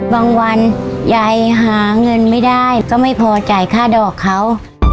วันยายหาเงินไม่ได้ก็ไม่พอจ่ายค่าดอกเขา